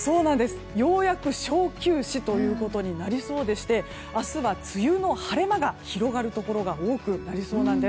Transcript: ようやく小休止ということになりそうでして明日は梅雨の晴れ間が広がるところが多くなりそうなんです。